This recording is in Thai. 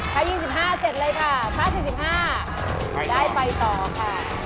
ถ้า๒๕เสร็จเลยค่ะถ้า๔๕ได้ไปต่อค่ะ